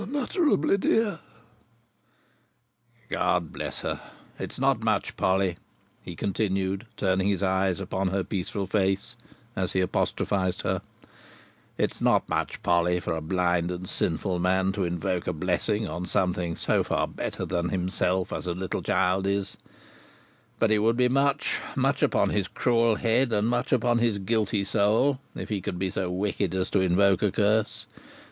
"Unutterably dear." "God bless her! It is not much, Polly," he continued, turning his eyes upon her peaceful face as he apostrophised her, "it is not much, Polly, for a blind and sinful man to invoke a blessing on something so far better than himself as a little child is; but it would be much—much upon his cruel head, and much upon his guilty soul—if he could be so wicked as to invoke a curse.